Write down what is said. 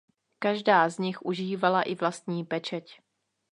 Každá z nich užívala i vlastní pečeť.